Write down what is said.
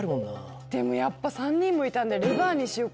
でもやっぱ３人もいたんでレバーにしよっかな。